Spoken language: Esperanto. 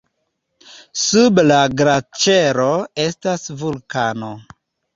Sub la glaĉero estas vulkano.